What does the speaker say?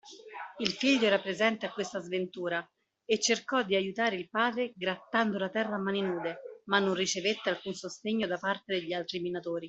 Il figlio era presente a questa sventura, e cercò di aiutare il padre grattando la terra a mani nude , ma non ricevette alcun sostegno da parte degli altri minatori.